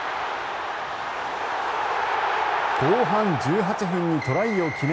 後半１８分にトライを決め